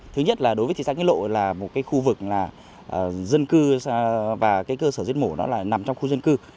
thứ nhất là đối với thị trạng nguyễn lộ là một khu vực dân cư và cơ sở giết mổ nằm trong khu dân cư